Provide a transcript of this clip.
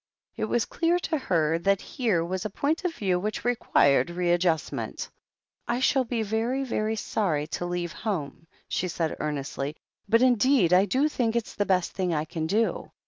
It was clear to her that here was a point of view which required readjustment. "I shall be very, very sorry to leave home," she said earnestly. "But indeed I do think it's the best thing I can do.